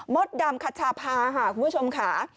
ดำคัชภาค่ะคุณผู้ชมค่ะ